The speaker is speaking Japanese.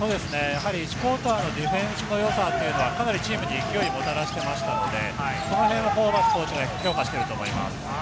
１クオーターのディフェンスのよさというのは、かなりチームに勢いをもたらしていましたので、そのへんをホーバスＨＣが評価していると思います。